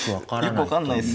よく分かんないです。